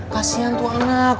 kasian tuh anak